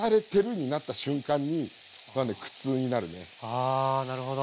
ああなるほど。